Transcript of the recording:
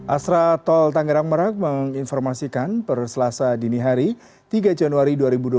astra tol tangerang merak menginformasikan per selasa dini hari tiga januari dua ribu dua puluh